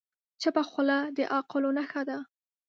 چپه خوله، د عاقلو نښه ده.